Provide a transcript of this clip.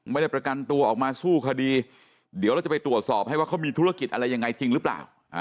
ไม่ได้ประกันตัวออกมาสู้คดีเดี๋ยวเราจะไปตรวจสอบให้ว่าเขามีธุรกิจอะไรยังไงจริงหรือเปล่า